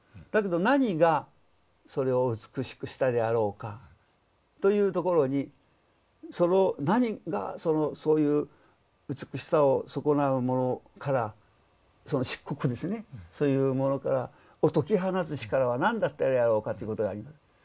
だけど何がそれを美しくしたであろうかというところにその何がそういう美しさを損なうものから桎梏ですねそういうものから解き放つ力は何だったであろうかということがあります。